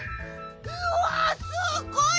うわすっごい！